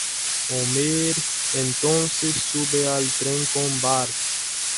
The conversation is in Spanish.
Homer, entonces, sube al tren con Bart.